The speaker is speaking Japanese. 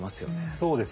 そうですね。